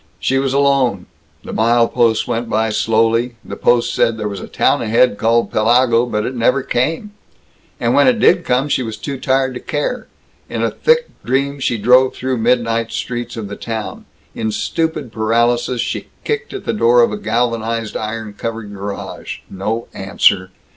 She was alone. The mile posts went by slowly. The posts said there was a town ahead called Pellago, but it never came And when it did come she was too tired to care. In a thick dream she drove through midnight streets of the town. In stupid paralysis she kicked at the door of the galvanized iron covered garage. No answer.